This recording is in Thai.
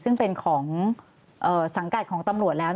ซึ่งเป็นของสังกัดของตำรวจแล้ว